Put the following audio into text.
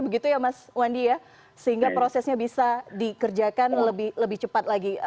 begitu ya mas wandi ya sehingga prosesnya bisa dikerjakan lebih cepat lagi